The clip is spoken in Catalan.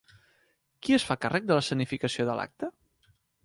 Qui es fa càrrec de l'escenificació de l'acte?